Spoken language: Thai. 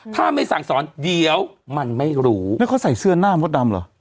ถ้าไม่สั่งสอนเดี๋ยวมันไม่รู้แล้วเขาใส่เสื้อหน้ามดดำเหรอ